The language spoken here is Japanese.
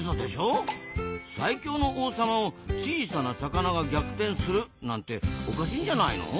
最強の王様を小さな魚が逆転するなんておかしいんじゃないの？